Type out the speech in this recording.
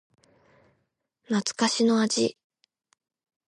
懐かしの味